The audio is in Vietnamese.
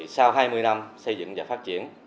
sau hai mươi năm xây dựng và phát triển